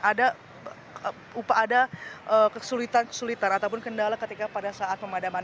ada kesulitan kesulitan ataupun kendala ketika pada saat pemadaman